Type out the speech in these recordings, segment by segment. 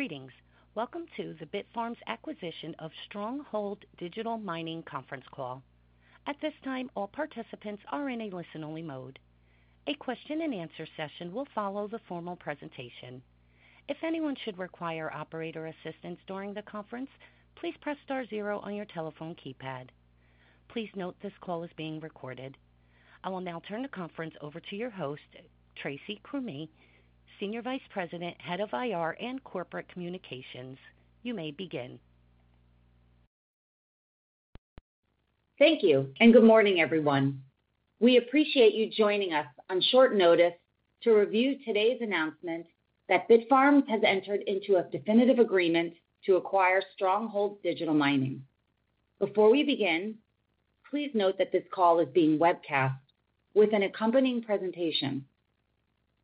Greetings. Welcome to the Bitfarms acquisition of Stronghold Digital Mining conference call. At this time, all participants are in a listen-only mode. A question and answer session will follow the formal presentation. If anyone should require operator assistance during the conference, please press star zero on your telephone keypad. Please note this call is being recorded. I will now turn the conference over to your host, Tracy Cromie, Senior Vice President, Head of IR and Corporate Communications. You may begin. Thank you, and good morning, everyone. We appreciate you joining us on short notice to review today's announcement that Bitfarms has entered into a definitive agreement to acquire Stronghold Digital Mining. Before we begin, please note that this call is being webcast with an accompanying presentation.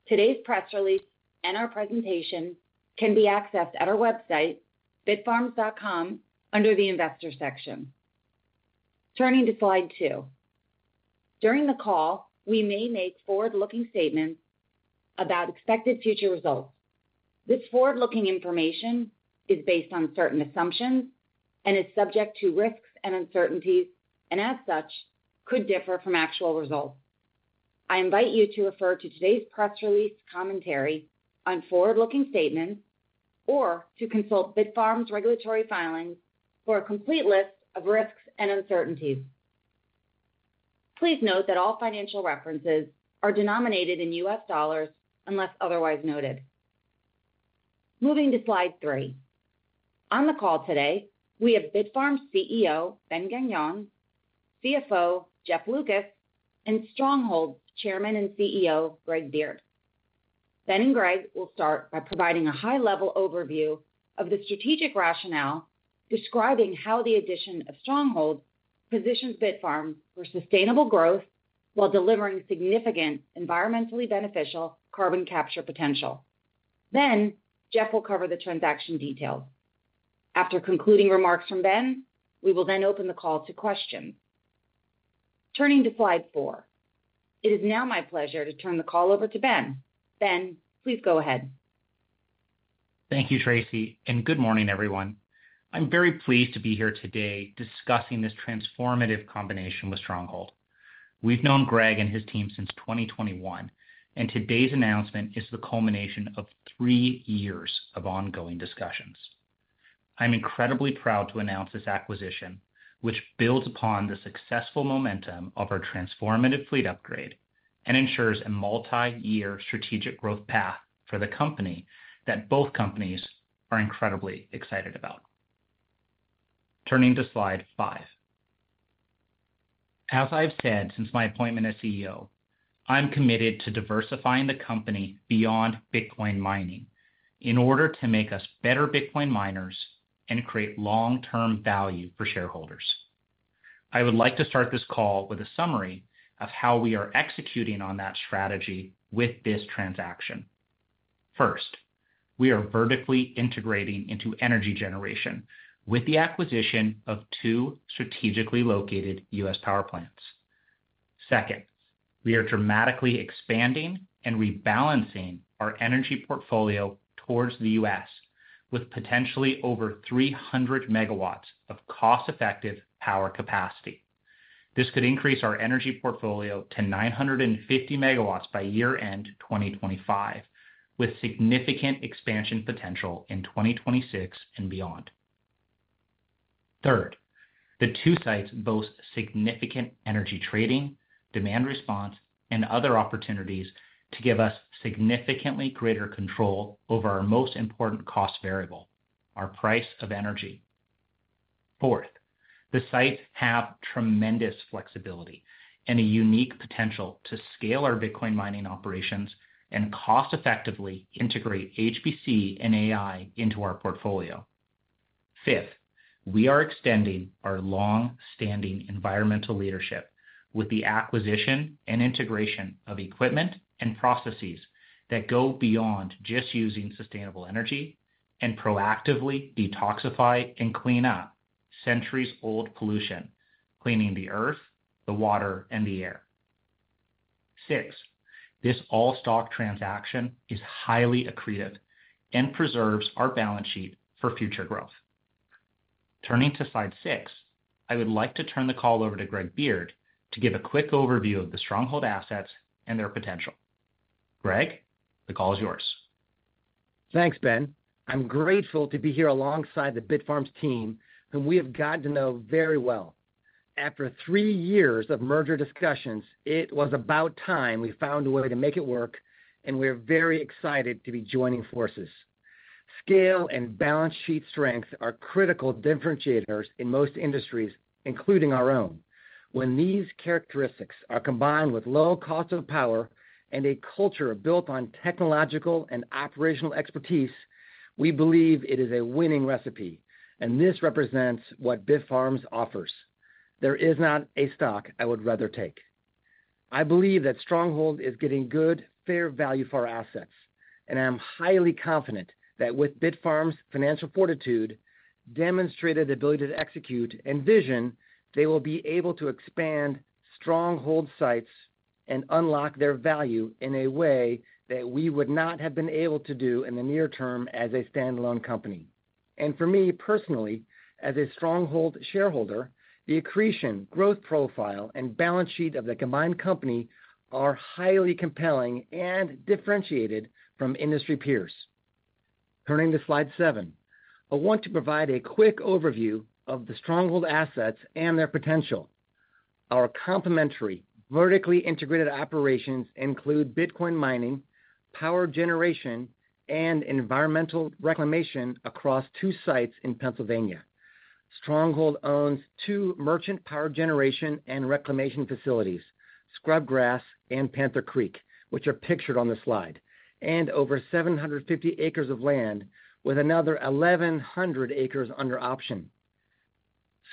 Today's press release and our presentation can be accessed at our website, bitfarms.com, under the investor section. Turning to slide two. During the call, we may make forward-looking statements about expected future results. This forward-looking information is based on certain assumptions and is subject to risks and uncertainties, and as such, could differ from actual results. I invite you to refer to today's press release commentary on forward-looking statements or to consult Bitfarms regulatory filings for a complete list of risks and uncertainties. Please note that all financial references are denominated in U.S. dollars unless otherwise noted. Moving to slide three. On the call today, we have Bitfarms CEO, Ben Gagnon, CFO, Jeff Lucas, and Stronghold's Chairman and CEO, Greg Beard. Ben and Greg will start by providing a high-level overview of the strategic rationale, describing how the addition of Stronghold positions Bitfarms for sustainable growth while delivering significant environmentally beneficial carbon capture potential. Then, Jeff will cover the transaction details. After concluding remarks from Ben, we will then open the call to questions. Turning to slide four. It is now my pleasure to turn the call over to Ben. Ben, please go ahead. Thank you, Tracy, and good morning, everyone. I'm very pleased to be here today discussing this transformative combination with Stronghold. We've known Greg and his team since 2021, and today's announcement is the culmination of three years of ongoing discussions. I'm incredibly proud to announce this acquisition, which builds upon the successful momentum of our transformative fleet upgrade and ensures a multi-year strategic growth path for the company that both companies are incredibly excited about. Turning to slide five. As I've said since my appointment as CEO, I'm committed to diversifying the company beyond Bitcoin mining in order to make us better Bitcoin miners and create long-term value for shareholders. I would like to start this call with a summary of how we are executing on that strategy with this transaction. First, we are vertically integrating into energy generation with the acquisition of two strategically located U.S. power plants. Second, we are dramatically expanding and rebalancing our energy portfolio towards the U.S. with potentially over 300 megawatts of cost-effective power capacity. This could increase our energy portfolio to 950 megawatts by year-end 2025, with significant expansion potential in 2026 and beyond. Third, the two sites boast significant energy trading, demand response, and other opportunities to give us significantly greater control over our most important cost variable, our price of energy. Fourth, the sites have tremendous flexibility and a unique potential to scale our Bitcoin mining operations and cost-effectively integrate HPC and AI into our portfolio. Fifth, we are extending our long-standing environmental leadership with the acquisition and integration of equipment and processes that go beyond just using sustainable energy and proactively detoxify and clean up centuries-old pollution, cleaning the earth, the water, and the air. Six, this all-stock transaction is highly accretive and preserves our balance sheet for future growth. Turning to slide six, I would like to turn the call over to Greg Beard to give a quick overview of the Stronghold assets and their potential. Greg, the call is yours. Thanks, Ben. I'm grateful to be here alongside the Bitfarms team, whom we have gotten to know very well. After three years of merger discussions, it was about time we found a way to make it work, and we're very excited to be joining forces. Scale and balance sheet strength are critical differentiators in most industries, including our own. When these characteristics are combined with low cost of power and a culture built on technological and operational expertise, we believe it is a winning recipe, and this represents what Bitfarms offers. There is not a stock I would rather take. I believe that Stronghold is getting good, fair value for our assets, and I'm highly confident that with Bitfarms' financial fortitude, demonstrated ability to execute, and vision, they will be able to expand Stronghold sites-... And unlock their value in a way that we would not have been able to do in the near term as a standalone company. And for me personally, as a Stronghold shareholder, the accretion, growth profile, and balance sheet of the combined company are highly compelling and differentiated from industry peers. Turning to slide 7. I want to provide a quick overview of the Stronghold assets and their potential. Our complementary, vertically integrated operations include Bitcoin mining, power generation, and environmental reclamation across two sites in Pennsylvania. Stronghold owns two merchant power generation and reclamation facilities, Scrubgrass and Panther Creek, which are pictured on the slide, and over 750 acres of land, with another 1,100 acres under option.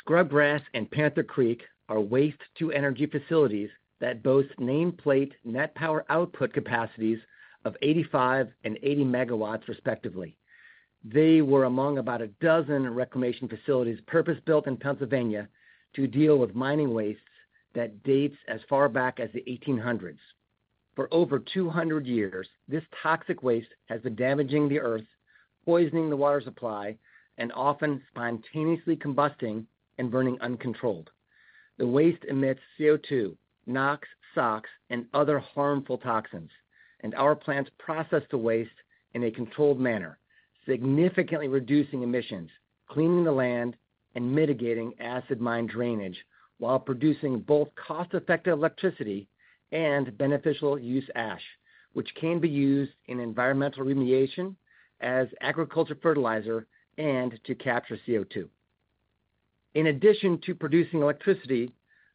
Scrubgrass and Panther Creek are waste-to-energy facilities that boast nameplate net power output capacities of 85 and 80 megawatts, respectively. They were among about a dozen reclamation facilities purpose-built in Pennsylvania to deal with mining waste that dates as far back as the eighteen hundreds. For over two hundred years, this toxic waste has been damaging the earth, poisoning the water supply, and often spontaneously combusting and burning uncontrolled. The waste emits CO₂, NOx, SOx, and other harmful toxins, and our plants process the waste in a controlled manner, significantly reducing emissions, cleaning the land, and mitigating acid mine drainage while producing both cost-effective electricity and beneficial use ash, which can be used in environmental remediation, as agriculture fertilizer, and to capture CO₂. In addition to producing electricity,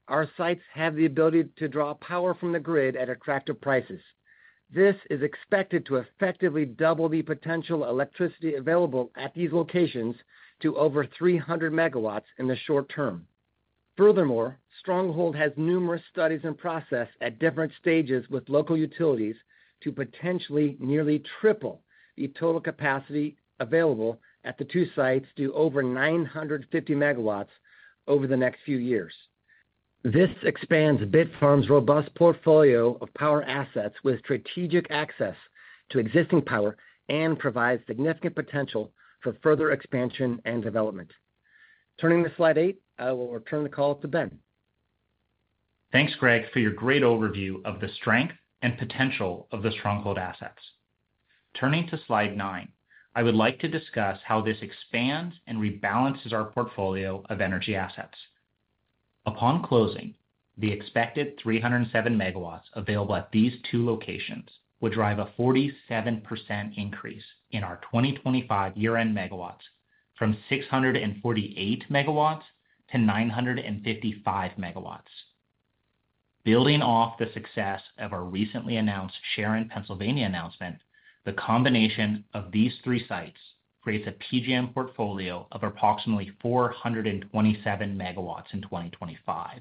our sites have the ability to draw power from the grid at attractive prices. This is expected to effectively double the potential electricity available at these locations to over three hundred megawatts in the short term. Furthermore, Stronghold has numerous studies in process at different stages with local utilities to potentially nearly triple the total capacity available at the two sites to over 950 megawatts over the next few years. This expands Bitfarms's robust portfolio of power assets with strategic access to existing power and provides significant potential for further expansion and development. Turning to slide 8. I will return the call to Ben. Thanks, Greg, for your great overview of the strength and potential of the Stronghold assets. Turning to slide nine, I would like to discuss how this expands and rebalances our portfolio of energy assets. Upon closing, the expected 307 megawatts available at these two locations will drive a 47% increase in our 2025 year-end megawatts from 648 megawatts to 955 megawatts. Building off the success of our recently announced Sharon, Pennsylvania, announcement, the combination of these three sites creates a PJM portfolio of approximately 427 megawatts in 2025,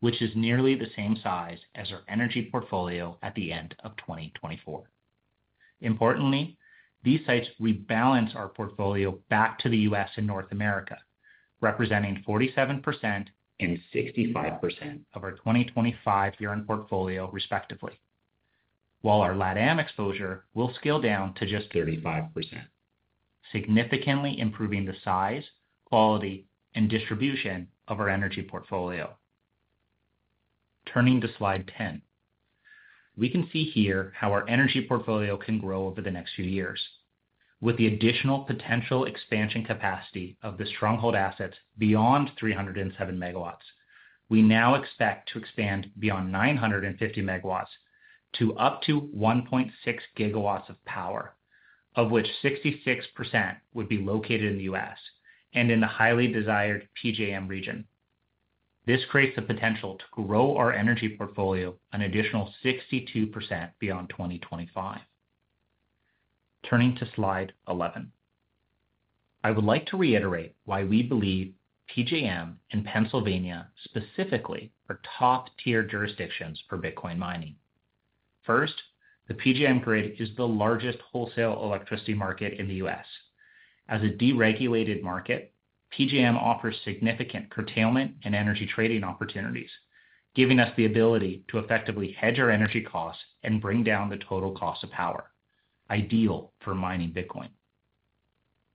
which is nearly the same size as our energy portfolio at the end of 2024. Importantly, these sites rebalance our portfolio back to the U.S. and North America, representing 47% and 65% of our 2025 year-end portfolio, respectively, while our LatAm exposure will scale down to just 35%, significantly improving the size, quality, and distribution of our energy portfolio. Turning to slide 10. We can see here how our energy portfolio can grow over the next few years. With the additional potential expansion capacity of the Stronghold assets beyond 307 megawatts, we now expect to expand beyond 950 megawatts to up to 1.6 gigawatts of power, of which 66% would be located in the U.S. and in the highly desired PJM region. This creates the potential to grow our energy portfolio an additional 62% beyond 2025. Turning to slide 11. I would like to reiterate why we believe PJM in Pennsylvania specifically are top-tier jurisdictions for Bitcoin mining. First, the PJM grid is the largest wholesale electricity market in the U.S. As a deregulated market, PJM offers significant curtailment and energy trading opportunities, giving us the ability to effectively hedge our energy costs and bring down the total cost of power, ideal for mining Bitcoin.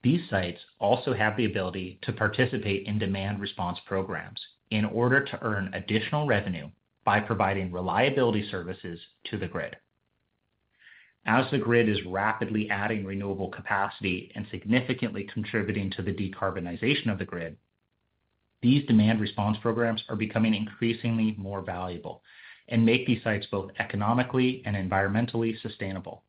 These sites also have the ability to participate in demand response programs in order to earn additional revenue by providing reliability services to the grid. As the grid is rapidly adding renewable capacity and significantly contributing to the decarbonization of the grid, these demand response programs are becoming increasingly more valuable and make these sites both economically and environmentally sustainable.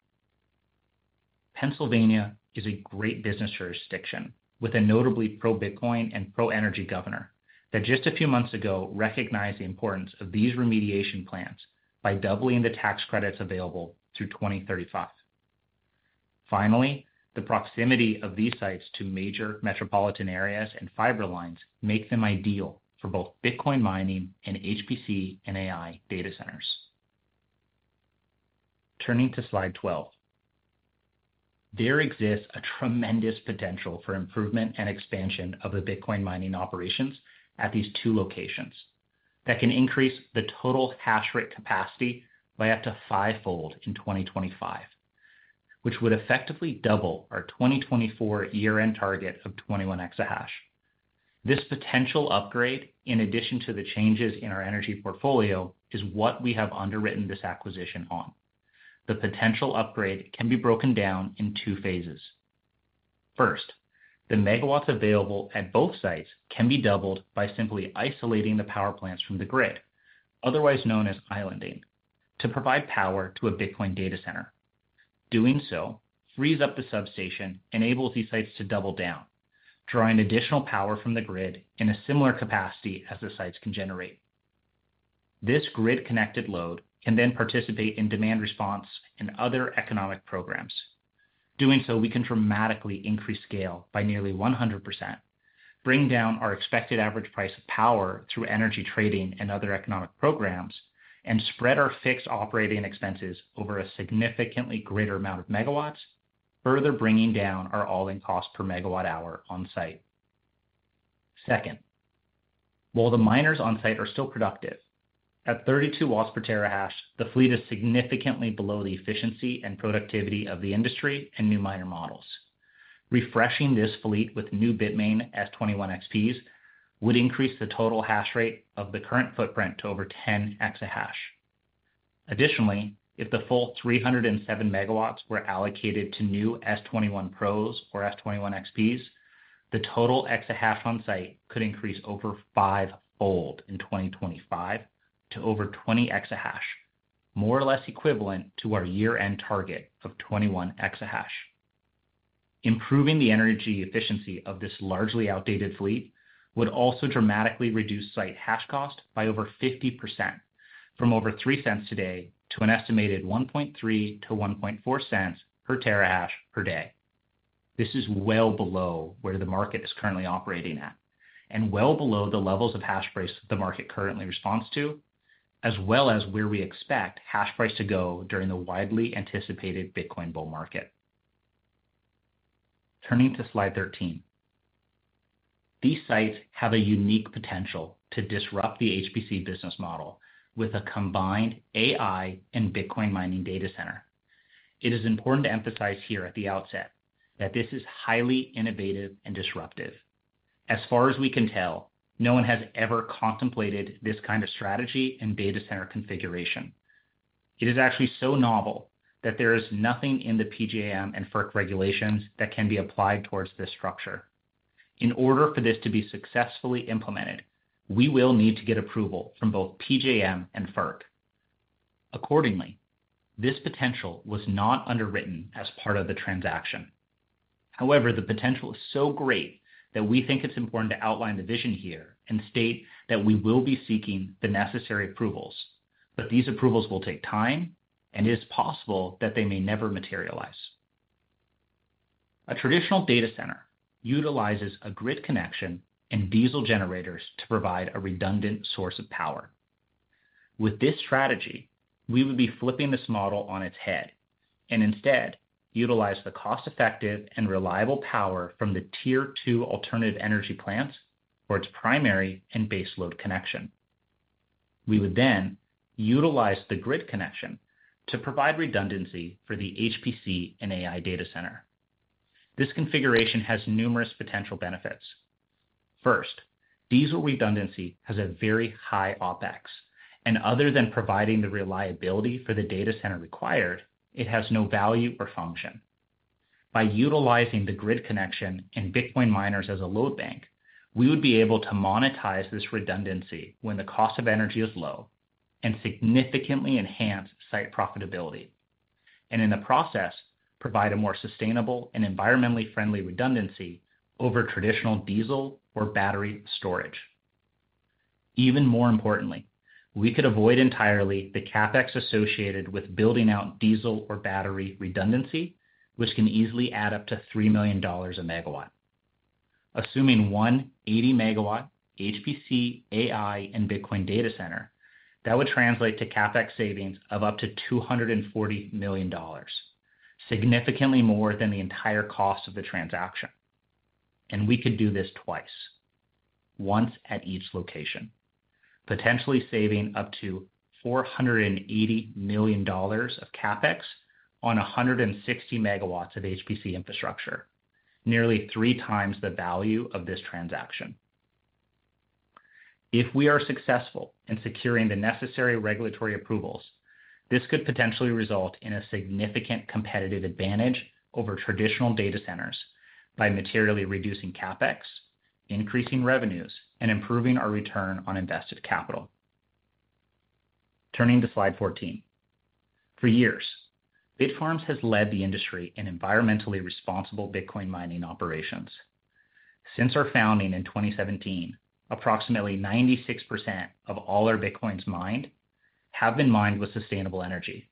Pennsylvania is a great business jurisdiction, with a notably pro-Bitcoin and pro-energy governor, that just a few months ago recognized the importance of these remediation plans by doubling the tax credits available through 2035. Finally, the proximity of these sites to major metropolitan areas and fiber lines make them ideal for both Bitcoin mining and HPC and AI data centers. Turning to slide 12. There exists a tremendous potential for improvement and expansion of the Bitcoin mining operations at these two locations that can increase the total hash rate capacity by up to fivefold in 2025, which would effectively double our 2024 year-end target of 21 exahash. This potential upgrade, in addition to the changes in our energy portfolio, is what we have underwritten this acquisition on. The potential upgrade can be broken down in two phases. First, the megawatts available at both sites can be doubled by simply isolating the power plants from the grid, otherwise known as islanding, to provide power to a Bitcoin data center. Doing so frees up the substation, enables these sites to double down, drawing additional power from the grid in a similar capacity as the sites can generate. This grid-connected load can then participate in demand response and other economic programs. Doing so, we can dramatically increase scale by nearly 100%, bring down our expected average price of power through energy trading and other economic programs, and spread our fixed operating expenses over a significantly greater amount of megawatts, further bringing down our all-in cost per megawatt-hour on site. Second, while the miners on site are still productive, at 32 watts per terahash, the fleet is significantly below the efficiency and productivity of the industry and new miner models. Refreshing this fleet with new Bitmain S21 XPs would increase the total hash rate of the current footprint to over 10 exahash. Additionally, if the full 307 megawatts were allocated to new S21 Pros or S21 XPs, the total exahash on site could increase over fivefold in 2025 to over 20 exahash, more or less equivalent to our year-end target of 21 exahash. Improving the energy efficiency of this largely outdated fleet would also dramatically reduce site hash cost by over 50%, from over $0.03 today to an estimated $0.013-$0.014 per terahash per day. This is well below where the market is currently operating at, and well below the levels of hash price the market currently responds to, as well as where we expect hash price to go during the widely anticipated Bitcoin bull market. Turning to slide 13. These sites have a unique potential to disrupt the HPC business model with a combined AI and Bitcoin mining data center. It is important to emphasize here at the outset that this is highly innovative and disruptive. As far as we can tell, no one has ever contemplated this kind of strategy and data center configuration. It is actually so novel that there is nothing in the PJM and FERC regulations that can be applied towards this structure. In order for this to be successfully implemented, we will need to get approval from both PJM and FERC. Accordingly, this potential was not underwritten as part of the transaction. However, the potential is so great that we think it's important to outline the vision here and state that we will be seeking the necessary approvals, but these approvals will take time, and it is possible that they may never materialize. A traditional data center utilizes a grid connection and diesel generators to provide a redundant source of power. With this strategy, we would be flipping this model on its head and instead utilize the cost-effective and reliable power from the Tier II alternative energy plants for its primary and base load connection. We would then utilize the grid connection to provide redundancy for the HPC and AI data center. This configuration has numerous potential benefits. First, diesel redundancy has a very high OpEx, and other than providing the reliability for the data center required, it has no value or function. By utilizing the grid connection and Bitcoin miners as a load bank, we would be able to monetize this redundancy when the cost of energy is low and significantly enhance site profitability, and in the process, provide a more sustainable and environmentally friendly redundancy over traditional diesel or battery storage. Even more importantly, we could avoid entirely the CapEx associated with building out diesel or battery redundancy, which can easily add up to $3 million a megawatt. Assuming one 180-megawatt HPC, AI, and Bitcoin data center, that would translate to CapEx savings of up to $240 million, significantly more than the entire cost of the transaction. And we could do this twice, once at each location, potentially saving up to $480 million of CapEx on 160 megawatts of HPC infrastructure, nearly three times the value of this transaction. If we are successful in securing the necessary regulatory approvals, this could potentially result in a significant competitive advantage over traditional data centers by materially reducing CapEx, increasing revenues, and improving our return on invested capital. Turning to slide 14. For years, Bitfarms has led the industry in environmentally responsible Bitcoin mining operations. Since our founding in 2017, approximately 96% of all our Bitcoins mined have been mined with sustainable energy,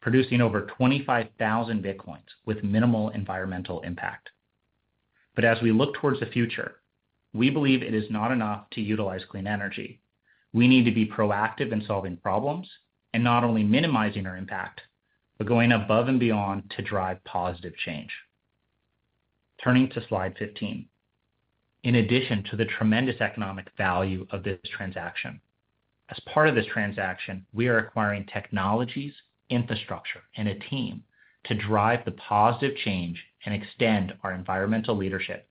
producing over 25,000 Bitcoins with minimal environmental impact.... But as we look toward the future, we believe it is not enough to utilize clean energy. We need to be proactive in solving problems, and not only minimizing our impact, but going above and beyond to drive positive change. Turning to slide fifteen. In addition to the tremendous economic value of this transaction, as part of this transaction, we are acquiring technologies, infrastructure, and a team to drive the positive change and extend our environmental leadership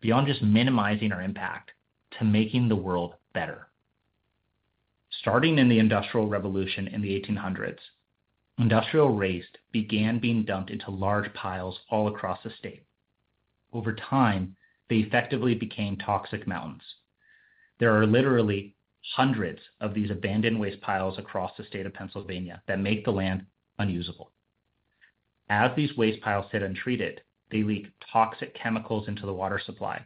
beyond just minimizing our impact to making the world better. Starting in the Industrial Revolution in the eighteen hundreds, industrial waste began being dumped into large piles all across the state. Over time, they effectively became toxic mountains. There are literally hundreds of these abandoned waste piles across the state of Pennsylvania that make the land unusable. As these waste piles sit untreated, they leak toxic chemicals into the water supply,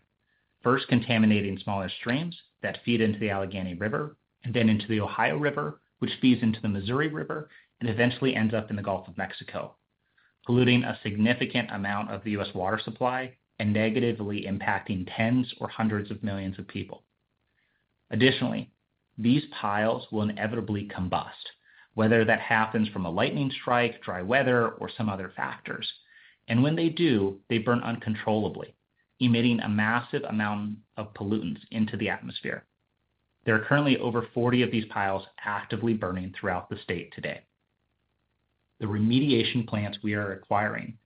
first contaminating smaller streams that feed into the Allegheny River and then into the Ohio River, which feeds into the Missouri River, and eventually ends up in the Gulf of Mexico, polluting a significant amount of the U.S. water supply and negatively impacting tens or hundreds of millions of people. Additionally, these piles will inevitably combust, whether that happens from a lightning strike, dry weather, or some other factors, and when they do, they burn uncontrollably, emitting a massive amount of pollutants into the atmosphere. There are currently over forty of these piles actively burning throughout the state today. The remediation plants we are acquiring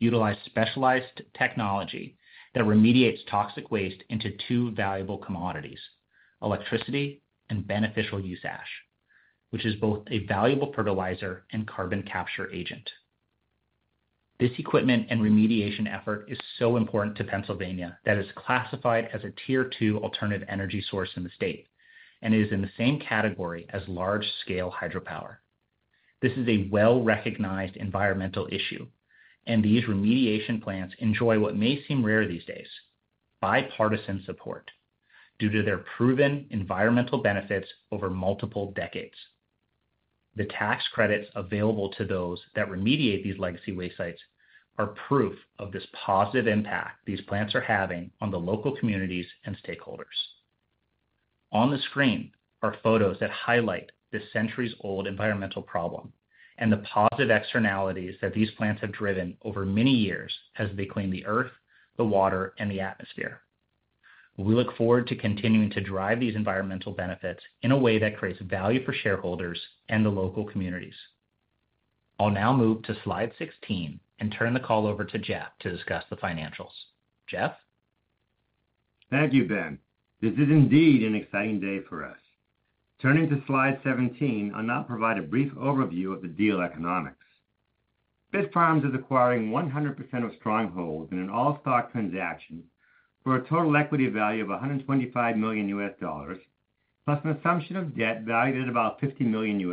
utilize specialized technology that remediates toxic waste into two valuable commodities: electricity and beneficial use ash, which is both a valuable fertilizer and carbon capture agent. This equipment and remediation effort is so important to Pennsylvania that it's classified as a Tier 2 alternative energy source in the state, and it is in the same category as large-scale hydropower. This is a well-recognized environmental issue, and these remediation plants enjoy what may seem rare these days, bipartisan support, due to their proven environmental benefits over multiple decades. The tax credits available to those that remediate these legacy waste sites are proof of this positive impact these plants are having on the local communities and stakeholders. On the screen are photos that highlight this centuries-old environmental problem and the positive externalities that these plants have driven over many years as they clean the earth, the water, and the atmosphere. We look forward to continuing to drive these environmental benefits in a way that creates value for shareholders and the local communities. I'll now move to slide sixteen and turn the call over to Jeff to discuss the financials. Jeff? Thank you, Ben. This is indeed an exciting day for us. Turning to slide 17, I'll now provide a brief overview of the deal economics. Bitfarms is acquiring 100% of Stronghold in an all-stock transaction for a total equity value of $125 million, plus an assumption of debt valued at about $50 million.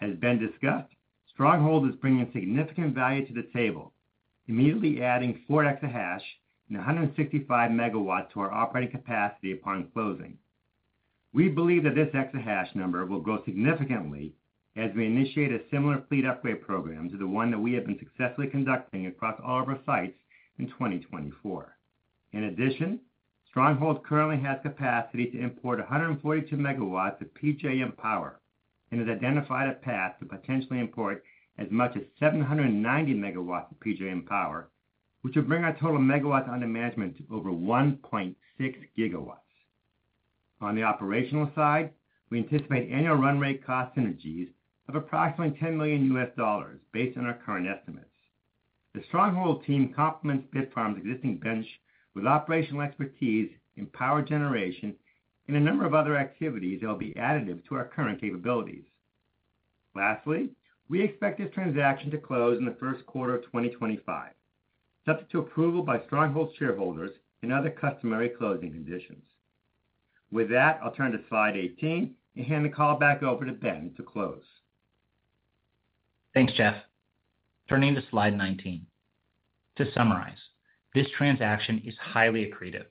As Ben discussed, Stronghold is bringing significant value to the table, immediately adding 4 exahash and 165 megawatts to our operating capacity upon closing. We believe that this exahash number will grow significantly as we initiate a similar fleet upgrade program to the one that we have been successfully conducting across all of our sites in 2024. In addition, Stronghold currently has capacity to import 142 megawatts of PJM power and has identified a path to potentially import as much as 790 megawatts of PJM power, which will bring our total megawatts under management to over 1.6 gigawatts. On the operational side, we anticipate annual run rate cost synergies of approximately $10 million, based on our current estimates. The Stronghold team complements Bitfarms' existing bench with operational expertise in power generation and a number of other activities that will be additive to our current capabilities. Lastly, we expect this transaction to close in the first quarter of 2025, subject to approval by Stronghold's shareholders and other customary closing conditions. With that, I'll turn to slide 18 and hand the call back over to Ben to close. Thanks, Jeff. Turning to slide nineteen. To summarize, this transaction is highly accretive,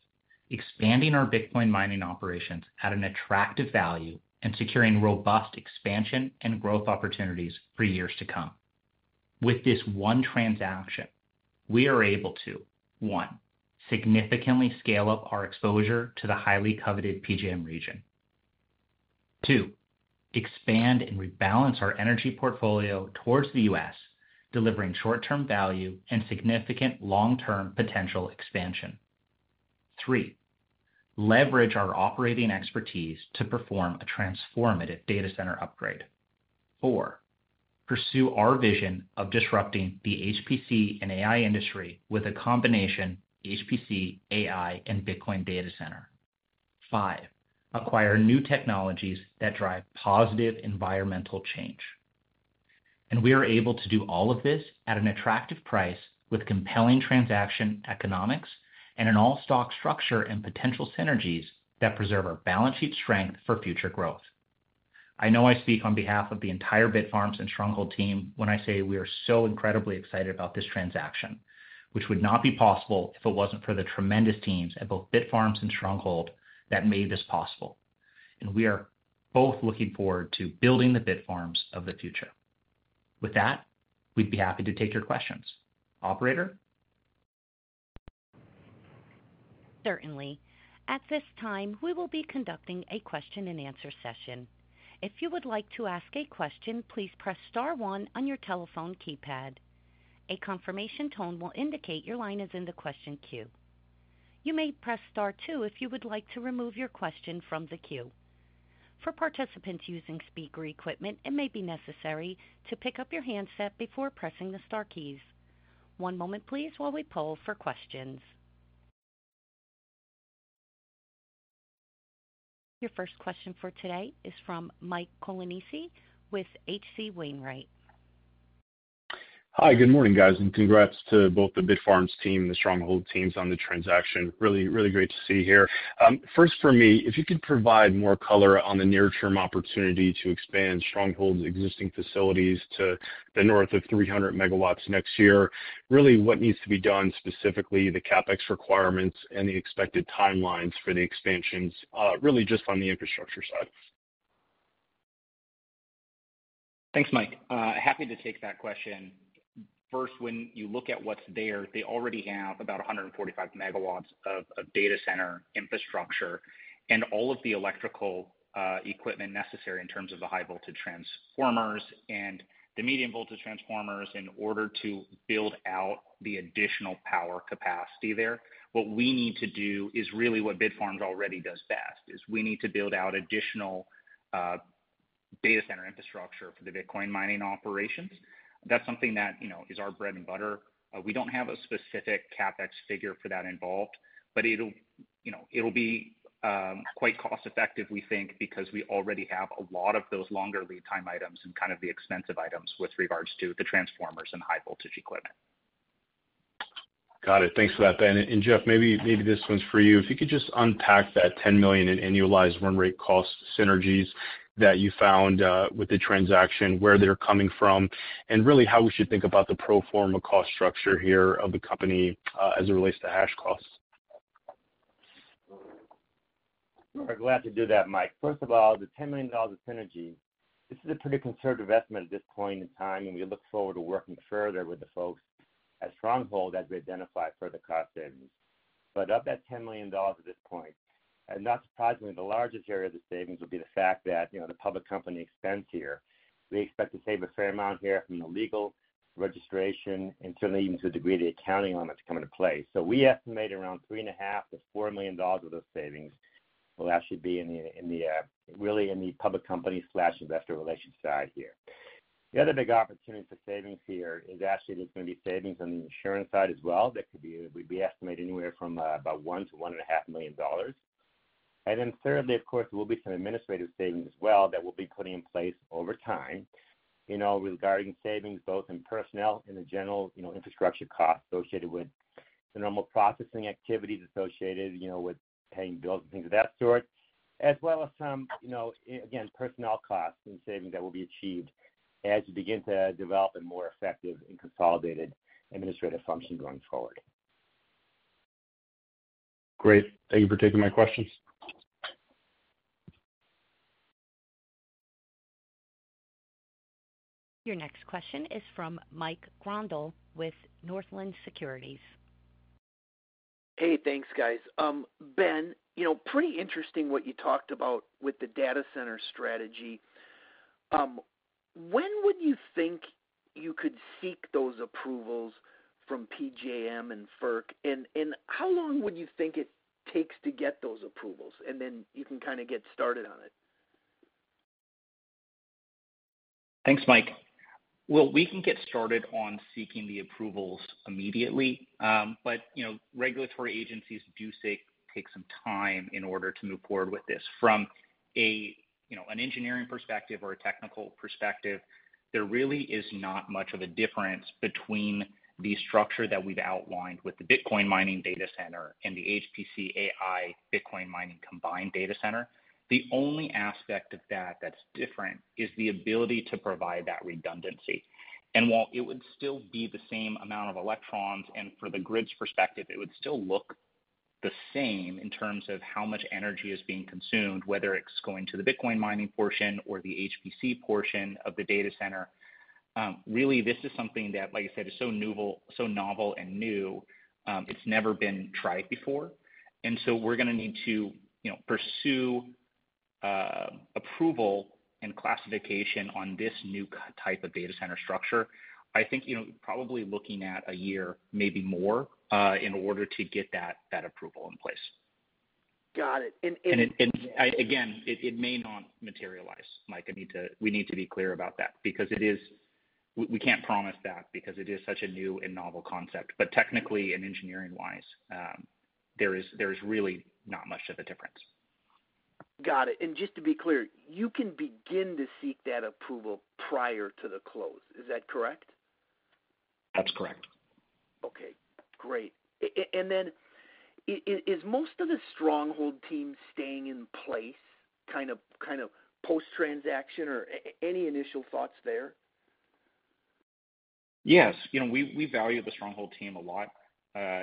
expanding our Bitcoin mining operations at an attractive value and securing robust expansion and growth opportunities for years to come. With this one transaction, we are able to, one, significantly scale up our exposure to the highly coveted PJM region. Two, expand and rebalance our energy portfolio towards the U.S., delivering short-term value and significant long-term potential expansion. Three, leverage our operating expertise to perform a transformative data center upgrade. Four, pursue our vision of disrupting the HPC and AI industry with a combination HPC, AI, and Bitcoin data center. Five, acquire new technologies that drive positive environmental change. And we are able to do all of this at an attractive price with compelling transaction economics and an all-stock structure and potential synergies that preserve our balance sheet strength for future growth. I know I speak on behalf of the entire Bitfarms and Stronghold team when I say we are so incredibly excited about this transaction, which would not be possible if it wasn't for the tremendous teams at both Bitfarms and Stronghold that made this possible, and we are both looking forward to building the Bitfarms of the future.... With that, we'd be happy to take your questions. Operator? Certainly. At this time, we will be conducting a question and answer session. If you would like to ask a question, please press star one on your telephone keypad. A confirmation tone will indicate your line is in the question queue. You may press star two if you would like to remove your question from the queue. For participants using speaker equipment, it may be necessary to pick up your handset before pressing the star keys. One moment please, while we poll for questions. Your first question for today is from Mike Colonnese with H.C. Wainwright. Hi, good morning, guys, and congrats to both the Bitfarms team and the Stronghold teams on the transaction. Really, really great to see here. First for me, if you could provide more color on the near-term opportunity to expand Stronghold's existing facilities to the north of 300 megawatts next year, really, what needs to be done, specifically, the CapEx requirements and the expected timelines for the expansions, really just on the infrastructure side? Thanks, Mike. Happy to take that question. First, when you look at what's there, they already have about 145 megawatts of data center infrastructure and all of the electrical equipment necessary in terms of the high voltage transformers and the medium voltage transformers in order to build out the additional power capacity there. What we need to do is really what Bitfarms already does best, is we need to build out additional data center infrastructure for the Bitcoin mining operations. That's something that, you know, is our bread and butter. We don't have a specific CapEx figure for that involved, but it'll, you know, it'll be quite cost effective, we think, because we already have a lot of those longer lead time items and kind of the expensive items with regards to the transformers and high voltage equipment. Got it. Thanks for that, Ben. And Jeff, maybe this one's for you. If you could just unpack that $10 million in annualized run rate cost synergies that you found with the transaction, where they're coming from, and really how we should think about the pro forma cost structure here of the company, as it relates to hash costs. Glad to do that, Mike. First of all, the $10 million of synergy, this is a pretty conservative estimate at this point in time, and we look forward to working further with the folks at Stronghold as we identify further cost savings. But of that $10 million at this point, and not surprisingly, the largest area of the savings will be the fact that, you know, the public company expense here. We expect to save a fair amount here from the legal registration, and certainly even to a degree, the accounting elements come into play. So we estimate around $3.5-$4 million of those savings will actually be in the, really in the public company/investor relations side here. The other big opportunity for savings here is actually there's going to be savings on the insurance side as well. That could be. We estimate anywhere from about $1 million-$1.5 million. And then thirdly, of course, there will be some administrative savings as well that we'll be putting in place over time, you know, regarding savings both in personnel and the general, you know, infrastructure costs associated with the normal processing activities, you know, with paying bills and things of that sort, as well as some, you know, again, personnel costs and savings that will be achieved as you begin to develop a more effective and consolidated administrative function going forward. Great. Thank you for taking my questions. Your next question is from Mike Grondahl with Northland Securities. Hey, thanks, guys. Ben, you know, pretty interesting what you talked about with the data center strategy. When would you think you could seek those approvals from PJM and FERC? And how long would you think it takes to get those approvals, and then you can kind of get started on it? Thanks, Mike. Well, we can get started on seeking the approvals immediately, but, you know, regulatory agencies do take some time in order to move forward with this. From a, you know, an engineering perspective or a technical perspective, there really is not much of a difference between the structure that we've outlined with the Bitcoin mining data center and the HPC AI Bitcoin mining combined data center. The only aspect of that that's different is the ability to provide that redundancy. While it would still be the same amount of electrons, and for the grid's perspective, it would still look the same in terms of how much energy is being consumed, whether it's going to the Bitcoin mining portion or the HPC portion of the data center, really, this is something that, like you said, is so novel and new, it's never been tried before. So we're gonna need to, you know, pursue approval and classification on this new type of data center structure. I think, you know, probably looking at a year, maybe more, in order to get that approval in place. Got it. Again, it may not materialize, Mike. We need to be clear about that because it is... We can't promise that because it is such a new and novel concept. But technically and engineering-wise, there's really not much of a difference. Got it. And just to be clear, you can begin to seek that approval prior to the close. Is that correct? That's correct. Okay, great. And then, is most of the Stronghold team staying in place, kind of post-transaction, or any initial thoughts there?... Yes, you know, we value the Stronghold team a lot.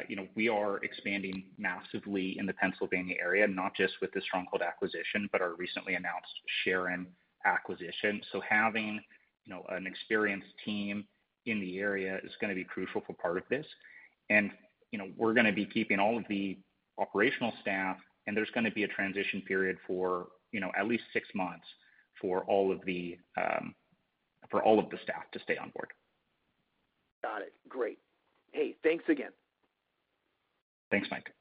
You know, we are expanding massively in the Pennsylvania area, not just with the Stronghold acquisition, but our recently announced Sharon acquisition. So having, you know, an experienced team in the area is gonna be crucial for part of this. And, you know, we're gonna be keeping all of the operational staff, and there's gonna be a transition period for, you know, at least six months for all of the staff to stay on board. Got it. Great. Hey, thanks again. Thanks, Mike.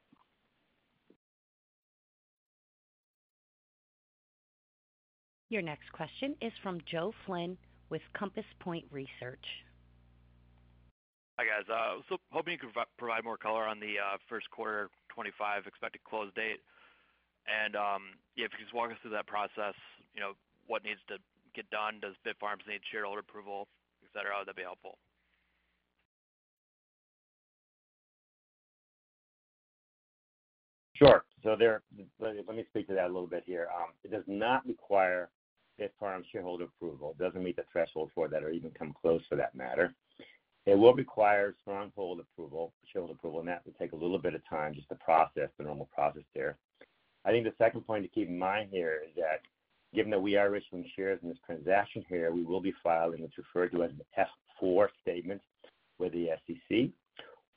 Your next question is from Joe Flynn with Compass Point Research. Hi, guys. So hoping you could provide more color on the first quarter 2025 expected close date, and yeah, if you could just walk us through that process, you know, what needs to get done? Does Bitfarms need shareholder approval, et cetera? That'd be helpful. Sure. So let me speak to that a little bit here. It does not require Bitfarms shareholder approval. It doesn't meet the threshold for that or even come close for that matter. It will require Stronghold approval, shareholder approval, and that will take a little bit of time just to process the normal process there. I think the second point to keep in mind here is that given that we are issuing shares in this transaction here, we will be filing what's referred to as a Form S-4 with the SEC.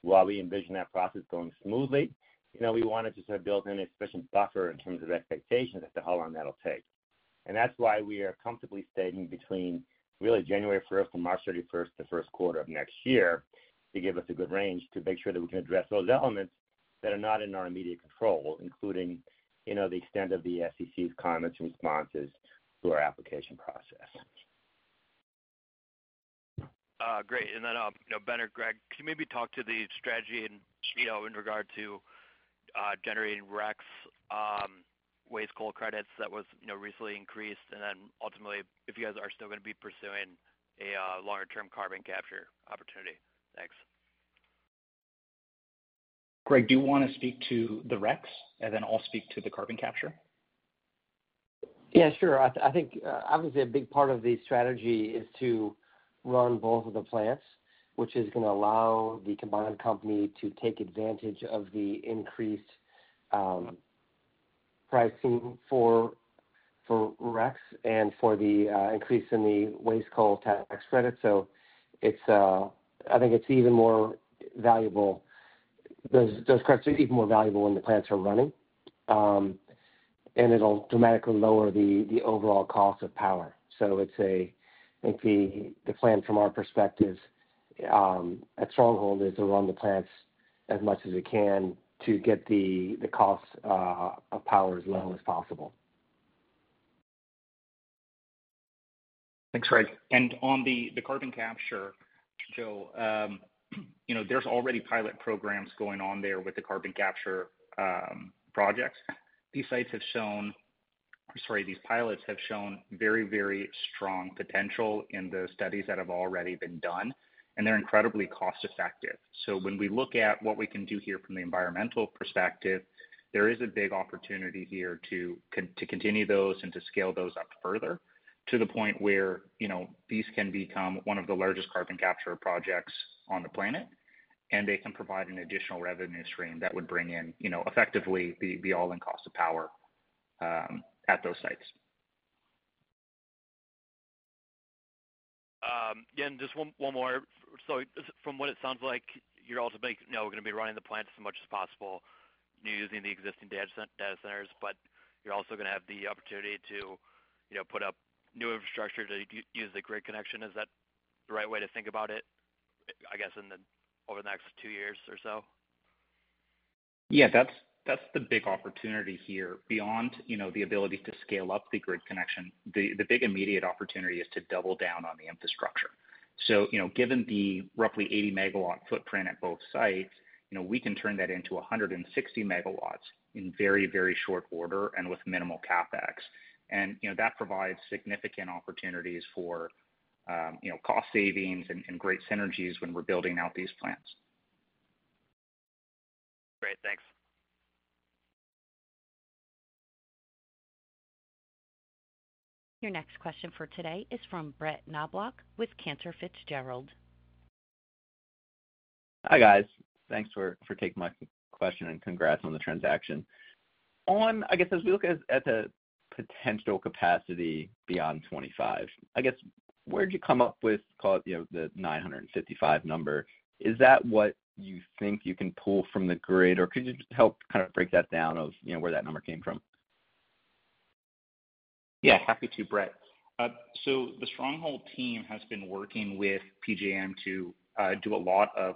While we envision that process going smoothly, you know, we wanted to sort of build in an efficient buffer in terms of expectations as to how long that'll take. And that's why we are comfortably stating between, really, January first and March thirty-first, the first quarter of next year, to give us a good range to make sure that we can address those elements that are not in our immediate control, including, you know, the extent of the SEC's comments and responses to our application process. Great. And then, you know, Ben or Greg, can you maybe talk to the strategy in, you know, in regard to generating RECs, waste coal credits that was, you know, recently increased? And then ultimately, if you guys are still gonna be pursuing a longer-term carbon capture opportunity. Thanks. Greg, do you want to speak to the RECs, and then I'll speak to the carbon capture? Yeah, sure. I think, obviously, a big part of the strategy is to run both of the plants, which is gonna allow the combined company to take advantage of the increased pricing for RECs and for the increase in the waste coal tax credit. So it's, I think it's even more valuable. Those credits are even more valuable when the plants are running, and it'll dramatically lower the overall cost of power. So I think the plan from our perspective, at Stronghold, is to run the plants as much as we can to get the cost of power as low as possible. Thanks, Greg. On the carbon capture, Joe, you know, there's already pilot programs going on there with the carbon capture projects. These pilots have shown very, very strong potential in the studies that have already been done, and they're incredibly cost-effective. So when we look at what we can do here from the environmental perspective, there is a big opportunity here to continue those and to scale those up further to the point where, you know, these can become one of the largest carbon capture projects on the planet, and they can provide an additional revenue stream that would bring in, you know, effectively the all-in cost of power at those sites. Again, just one more. So from what it sounds like, you're also, you know, we're gonna be running the plant as much as possible, using the existing data centers, but you're also gonna have the opportunity to, you know, put up new infrastructure to use the grid connection. Is that the right way to think about it, I guess, over the next two years or so? Yeah, that's, that's the big opportunity here. Beyond, you know, the ability to scale up the grid connection, the, the big immediate opportunity is to double down on the infrastructure. So, you know, given the roughly 80-megawatt footprint at both sites, you know, we can turn that into 160 megawatts in very, very short order and with minimal CapEx. And, you know, that provides significant opportunities for, you know, cost savings and, and great synergies when we're building out these plants. Great. Thanks. Your next question for today is from Brett Knoblauch with Cantor Fitzgerald. Hi, guys. Thanks for taking my question, and congrats on the transaction. On, I guess, as we look at the potential capacity beyond 25, I guess, where'd you come up with, call it, you know, the nine hundred and fifty-five number? Is that what you think you can pull from the grid, or could you just help kind of break that down, you know, where that number came from? Yeah, happy to, Brett. So the Stronghold team has been working with PJM to do a lot of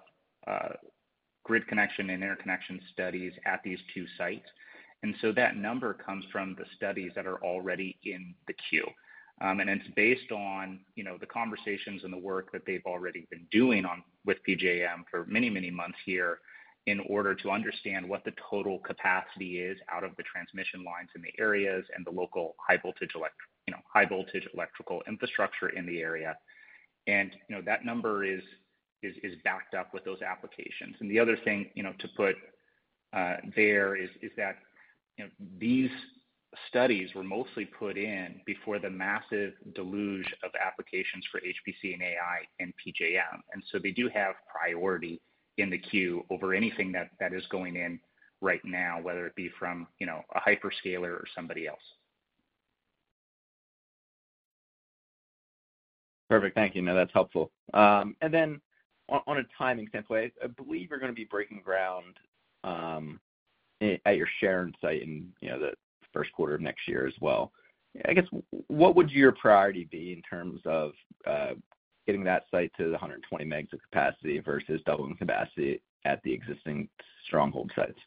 grid connection and interconnection studies at these two sites. And so that number comes from the studies that are already in the queue. And it's based on, you know, the conversations and the work that they've already been doing with PJM for many, many months here in order to understand what the total capacity is out of the transmission lines in the areas and the local high-voltage electrical infrastructure in the area. And, you know, that number is backed up with those applications. And the other thing, you know, there is that, you know, these studies were mostly put in before the massive deluge of applications for HPC and AI and PJM. And so they do have priority in the queue over anything that is going in right now, whether it be from, you know, a hyperscaler or somebody else. Perfect. Thank you. No, that's helpful. And then on a timing standpoint, I believe you're gonna be breaking ground at your Sharon site in, you know, the first quarter of next year as well. I guess, what would your priority be in terms of getting that site to the 120 megs of capacity versus doubling capacity at the existing Stronghold sites?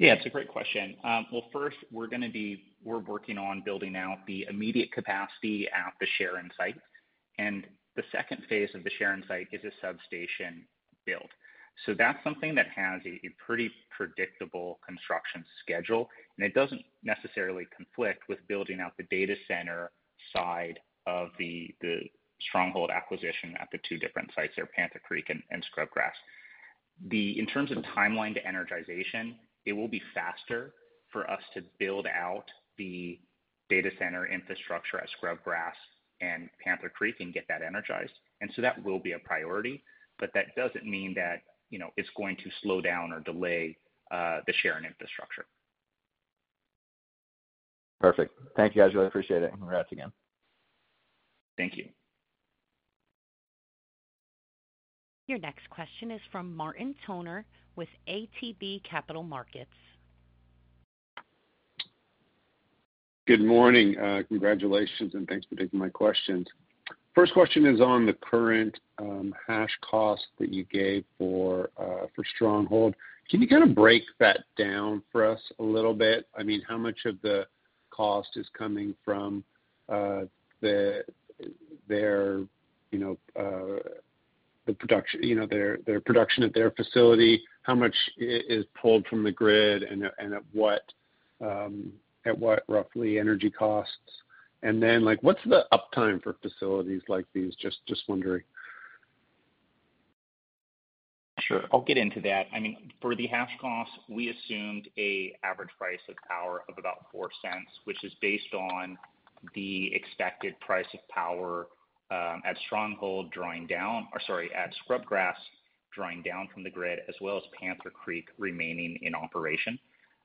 Yeah, it's a great question. Well, first, we're working on building out the immediate capacity at the Sharon site, and the second phase of the Sharon site is a substation build. So that's something that has a pretty predictable construction schedule, and it doesn't necessarily conflict with building out the data center side of the Stronghold acquisition at the two different sites there, Panther Creek and Scrubgrass. In terms of the timeline to energization, it will be faster for us to build out the data center infrastructure at Scrubgrass and Panther Creek and get that energized. And so that will be a priority, but that doesn't mean that, you know, it's going to slow down or delay the Sharon infrastructure. Perfect. Thank you, guys. Really appreciate it. Congrats again. Thank you. Your next question is from Martin Toner with ATB Capital Markets. Good morning. Congratulations, and thanks for taking my questions. First question is on the current hash cost that you gave for Stronghold. Can you kind of break that down for us a little bit? I mean, how much of the cost is coming from their, you know, their production at their facility? How much is pulled from the grid, and at what roughly energy costs? And then, like, what's the uptime for facilities like these? Just wondering. Sure, I'll get into that. I mean, for the hash cost, we assumed an average price of power of about $0.04, which is based on the expected price of power at Scrubgrass, drawing down from the grid, as well as Panther Creek remaining in operation.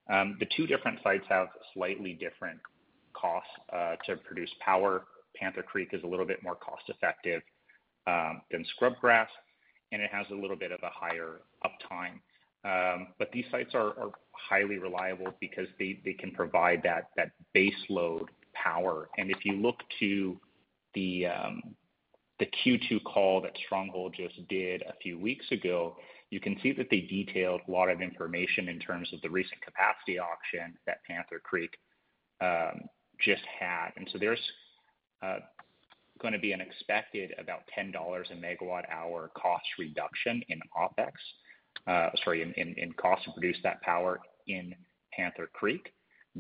The two different sites have slightly different costs to produce power. Panther Creek is a little bit more cost-effective than Scrubgrass, and it has a little bit of a higher uptime. But these sites are highly reliable because they can provide that base load power. And if you look to the Q2 call that Stronghold just did a few weeks ago, you can see that they detailed a lot of information in terms of the recent capacity auction that Panther Creek just had. And so there's gonna be an expected about $10 a megawatt hour cost reduction in OpEx, sorry, in cost to produce that power in Panther Creek,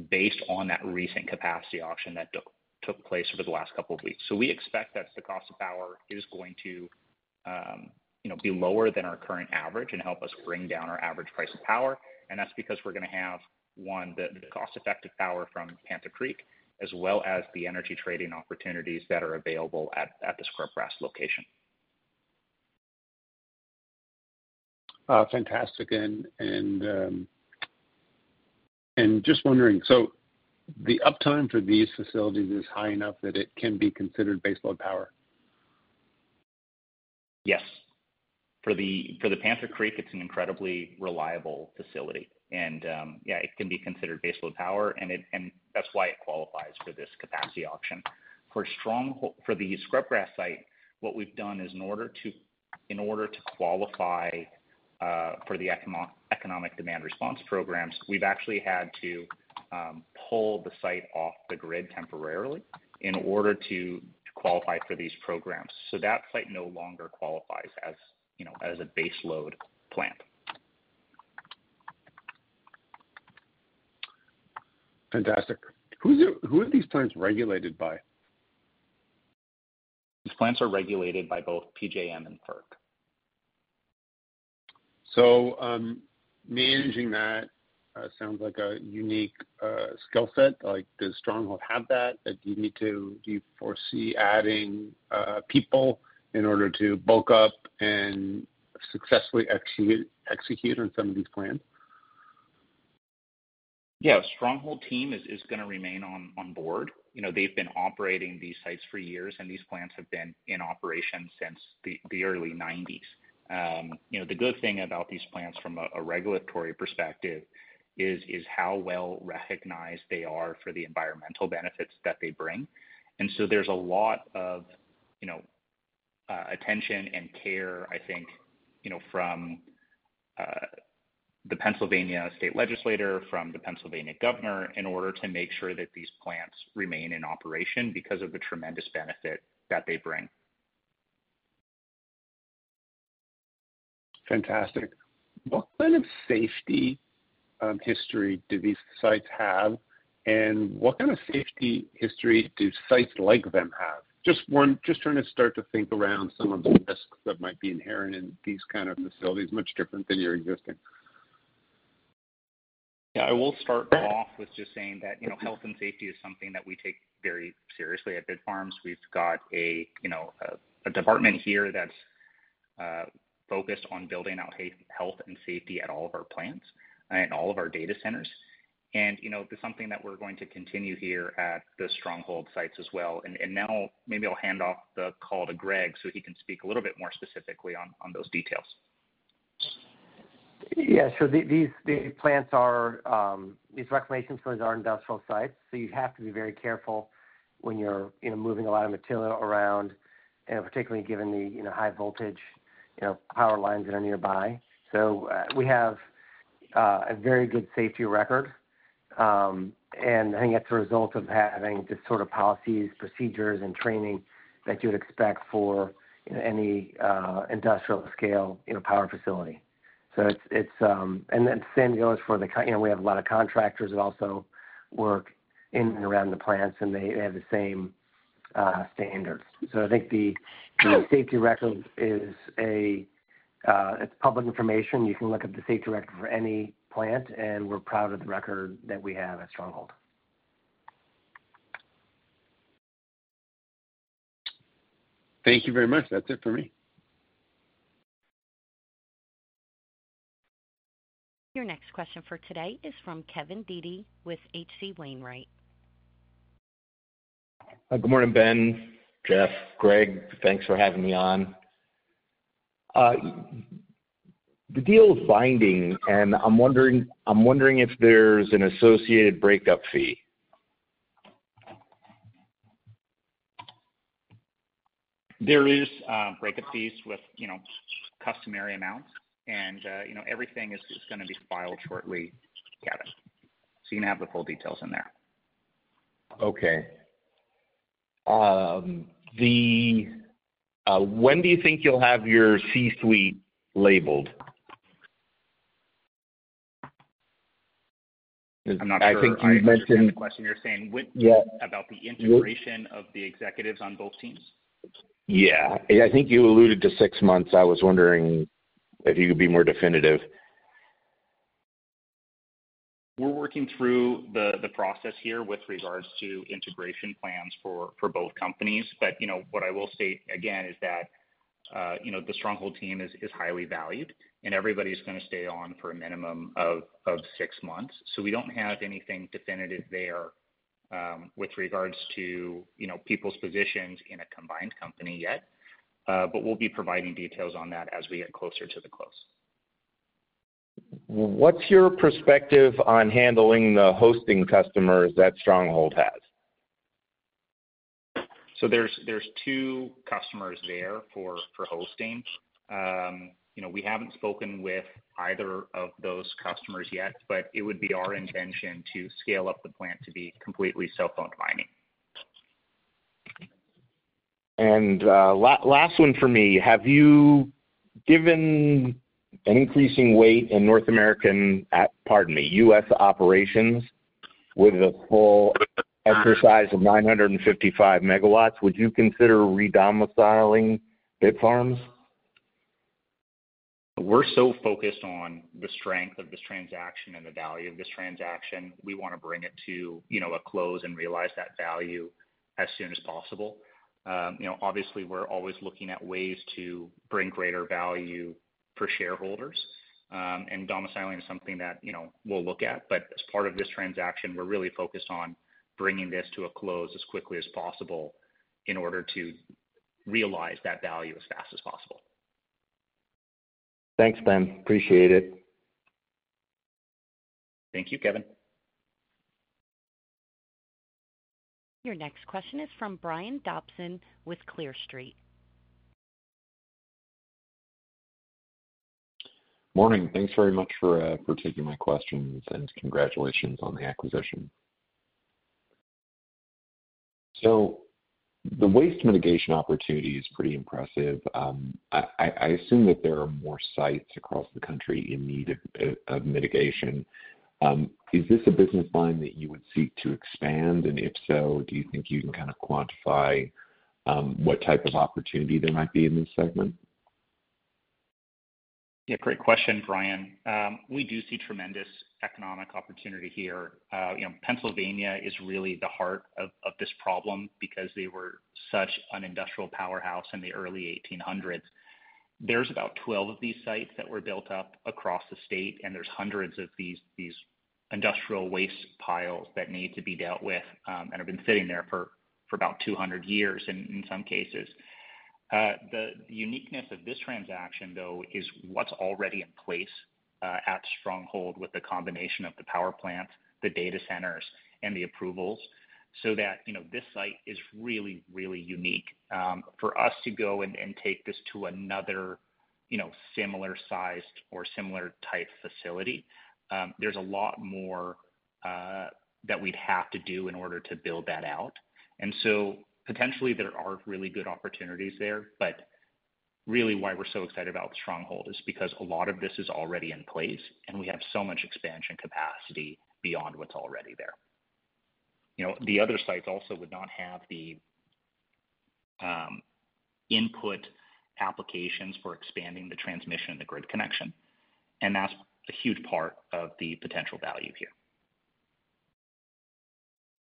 based on that recent capacity auction that took place over the last couple of weeks. So we expect that the cost of power is going to, you know, be lower than our current average and help us bring down our average price of power, and that's because we're gonna have, one, the cost-effective power from Panther Creek, as well as the energy trading opportunities that are available at the Scrubgrass location. Fantastic, and just wondering, so the uptime for these facilities is high enough that it can be considered base load power? Yes. For the Panther Creek, it's an incredibly reliable facility, and, yeah, it can be considered base load power, and that's why it qualifies for this capacity auction. For the Scrubgrass site, what we've done is in order to qualify for the economic demand response programs, we've actually had to pull the site off the grid temporarily in order to qualify for these programs. So that site no longer qualifies as, you know, as a base load plant. Fantastic. Who are these plants regulated by? These plants are regulated by both PJM and FERC. Managing that sounds like a unique skill set. Like, does Stronghold have that? Like, do you foresee adding people in order to bulk up and successfully execute on some of these plans? Yeah, Stronghold team is gonna remain on board. You know, they've been operating these sites for years, and these plants have been in operation since the early 1990s. You know, the good thing about these plants from a regulatory perspective is how well recognized they are for the environmental benefits that they bring. And so there's a lot of, you know, attention and care, I think, you know, from the Pennsylvania state legislature, from the Pennsylvania governor, in order to make sure that these plants remain in operation because of the tremendous benefit that they bring. Fantastic. What kind of safety history do these sites have? And what kind of safety history do sites like them have? Just trying to start to think around some of the risks that might be inherent in these kind of facilities, much different than your existing. Yeah, I will start off with just saying that, you know, health and safety is something that we take very seriously at Bitfarms. We've got a, you know, a department here that's focused on building out health and safety at all of our plants and all of our data centers. And, you know, it's something that we're going to continue here at the Stronghold sites as well. And now, maybe I'll hand off the call to Greg, so he can speak a little bit more specifically on those details. Yeah, so these reclamation facilities are industrial sites, so you have to be very careful when you're, you know, moving a lot of material around, and particularly given the, you know, high voltage, you know, power lines that are nearby. So, we have a very good safety record, and I think that's a result of having the sort of policies, procedures, and training that you'd expect for, you know, any industrial scale, you know, power facility. So it's... And then the same goes for the contractors that also work in and around the plants, and they have the same standards. So I think the safety record is, it's public information. You can look up the safety record for any plant, and we're proud of the record that we have at Stronghold. Thank you very much. That's it for me. Your next question for today is from Kevin Dede with H.C. Wainwright. Good morning, Ben, Jeff, Greg. Thanks for having me on. The deal is binding, and I'm wondering if there's an associated breakup fee. There is breakup fees with, you know, customary amounts, and, you know, everything is gonna be filed shortly, Kevin. So you're gonna have the full details in there. Okay. When do you think you'll have your C-suite labeled? I'm not sure I understand the question. I think you mentioned- You're saying when- Yeah. About the integration of the executives on both teams? Yeah. I think you alluded to six months. I was wondering if you could be more definitive. We're working through the process here with regards to integration plans for both companies. But you know, what I will state again is that you know, the Stronghold team is highly valued, and everybody's gonna stay on for a minimum of six months. So we don't have anything definitive there with regards to you know, people's positions in a combined company yet. But we'll be providing details on that as we get closer to the close. What's your perspective on handling the hosting customers that Stronghold has? So there's two customers there for hosting. You know, we haven't spoken with either of those customers yet, but it would be our intention to scale up the plant to be completely self-mining. Last one for me. Have you given an increasing weight in North American, pardon me, U.S. operations with a full exercise of 955 megawatts, would you consider re-domiciling Bitfarms? We're so focused on the strength of this transaction and the value of this transaction. We want to bring it to, you know, a close and realize that value as soon as possible. You know, obviously, we're always looking at ways to bring greater value for shareholders, and domiciling is something that, you know, we'll look at. But as part of this transaction, we're really focused on bringing this to a close as quickly as possible in order to realize that value as fast as possible. Thanks, Ben. Appreciate it. Thank you, Kevin. Your next question is from Brian Dobson with Clear Street. Morning. Thanks very much for taking my questions, and congratulations on the acquisition, so the waste mitigation opportunity is pretty impressive. I assume that there are more sites across the country in need of mitigation. Is this a business line that you would seek to expand, and if so, do you think you can kind of quantify what type of opportunity there might be in this segment? Yeah, great question, Brian. We do see tremendous economic opportunity here. You know, Pennsylvania is really the heart of this problem because they were such an industrial powerhouse in the early 1800s. There's about 12 of these sites that were built up across the state, and there's hundreds of these industrial waste piles that need to be dealt with, and have been sitting there for about 200 years in some cases. The uniqueness of this transaction, though, is what's already in place at Stronghold with the combination of the power plants, the data centers, and the approvals, so that, you know, this site is really, really unique. For us to go and take this to another, you know, similar-sized or similar-type facility, there's a lot more that we'd have to do in order to build that out. And so potentially there are really good opportunities there, but really why we're so excited about Stronghold is because a lot of this is already in place, and we have so much expansion capacity beyond what's already there. You know, the other sites also would not have the input applications for expanding the transmission and the grid connection, and that's a huge part of the potential value here.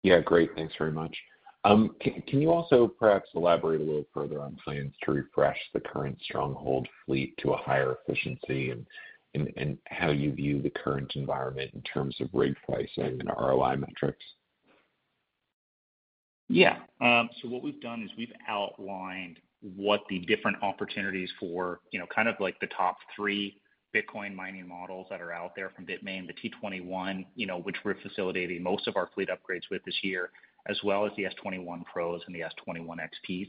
Yeah, great. Thanks very much. Can you also perhaps elaborate a little further on plans to refresh the current Stronghold fleet to a higher efficiency and how you view the current environment in terms of rig pricing and ROI metrics? Yeah. So what we've done is we've outlined what the different opportunities for, you know, kind of like the top three Bitcoin mining models that are out there from Bitmain, the T21, you know, which we're facilitating most of our fleet upgrades with this year, as well as the S21 Pros and the S21 XPs.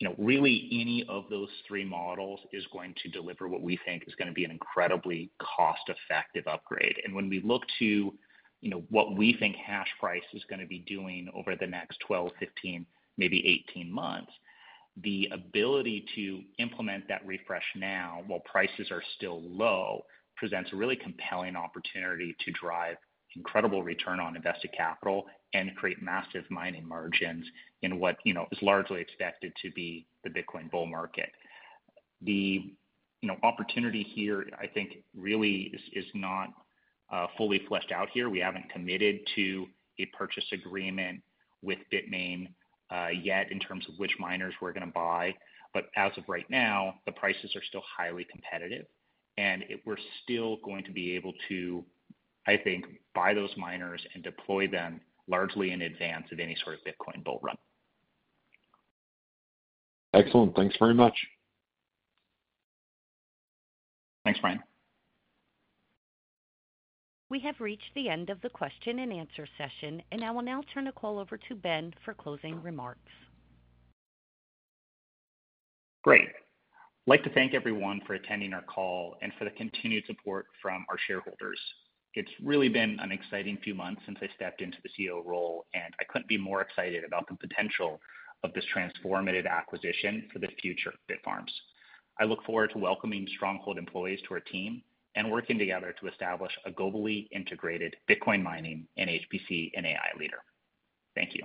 You know, really any of those three models is going to deliver what we think is gonna be an incredibly cost-effective upgrade. And when we look to, you know, what we think hash price is gonna be doing over the next 12, 15, maybe 18 months, the ability to implement that refresh now, while prices are still low, presents a really compelling opportunity to drive incredible return on invested capital and create massive mining margins in what, you know, is largely expected to be the Bitcoin bull market. You know, the opportunity here, I think, really is not fully fleshed out here. We haven't committed to a purchase agreement with Bitmain yet in terms of which miners we're gonna buy. But as of right now, the prices are still highly competitive, and we're still going to be able to, I think, buy those miners and deploy them largely in advance of any sort of Bitcoin bull run. Excellent. Thanks very much. Thanks, Brian. We have reached the end of the question and answer session, and I will now turn the call over to Ben for closing remarks. Great. I'd like to thank everyone for attending our call and for the continued support from our shareholders. It's really been an exciting few months since I stepped into the CEO role, and I couldn't be more excited about the potential of this transformative acquisition for the future of Bitfarms. I look forward to welcoming Stronghold employees to our team and working together to establish a globally integrated Bitcoin mining and HPC and AI leader. Thank you.